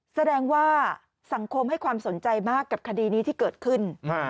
แสดงว่าสังคมให้ความสนใจมากกับคดีนี้ที่เกิดขึ้น